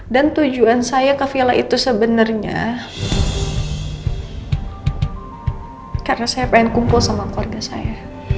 dan tujuan saya ke villa itu sebenarnya karena saya pengen kumpul sama keluarga saya